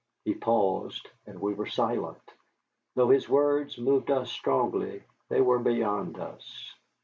He paused, and we were silent. Though his words moved us strongly, they were beyond us.